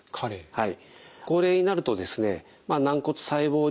はい。